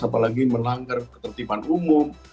apalagi melanggar ketertiban umum